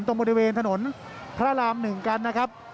ตรงบริเวณถนนพระราม๑กันนะครับ